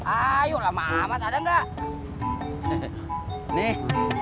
ayolah mamat ada enggak nih